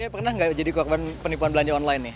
pernah nggak jadi korban penipuan belanja online nih